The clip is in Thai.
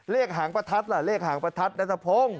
เลขหางประทัดล่ะเลขหางประทัดนัตตะพง